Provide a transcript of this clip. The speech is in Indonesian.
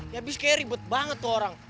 ya abis kayak ribet banget tuh orang